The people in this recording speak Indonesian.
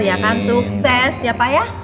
ya kan sukses ya pak ya